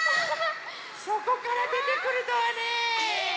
そこからでてくるとはね。